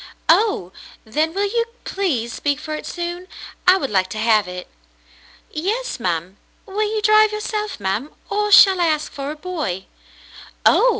" Oh ! Then will you please speak for it soon ? I would like to have it." "Yes, ma'm. Will you drive yourself, ma'm, or shall I ask for a boy ?" Oh!